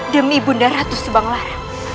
demi ibu nda ratu subanglar